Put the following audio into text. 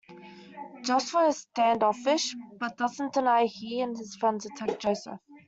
Joshua is standoffish, but doesn't deny he and his friends attacked Joseph.